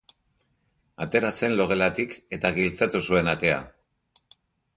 Atera zen logelatik eta giltzatu zuen atea.